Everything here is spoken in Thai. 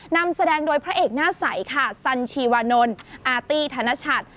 นำแสดงโดยพระเอกหน้าใสค่ะสัญชีวานนท์อาร์ตี้ธนชัด